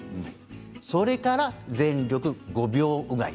それから全力５秒うがい。